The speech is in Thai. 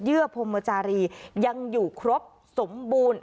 พรมจารียังอยู่ครบสมบูรณ์